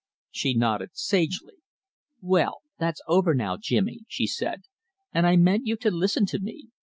She nodded sagely. "Well, that's over now, Jimmy," she said, "and I meant you to listen to me.